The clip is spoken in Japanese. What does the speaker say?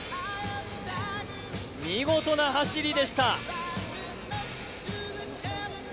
見事な走りでした。